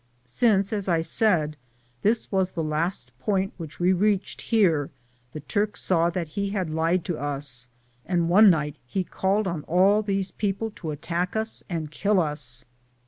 Since, as I said, this was tbe last point which we reached, here the Turk saw that he had lied to ub, and one night he called on all these people to attack us and kill us.